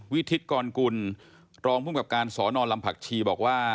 วิทิศกรกุลรองภูมิกับการสอนอลำผักชีบอกว่า